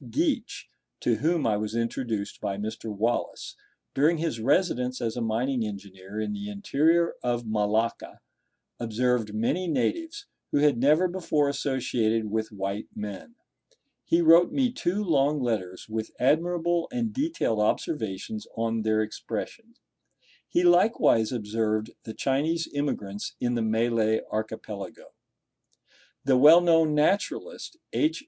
Geach (to whom I was introduced by Mr. Wallace), during his residence as a mining engineer in the interior of Malacca, observed many natives, who had never before associated with white men. He wrote me two long letters with admirable and detailed observations on their expression. He likewise observed the Chinese immigrants in the Malay archipelago. The well known naturalist, H.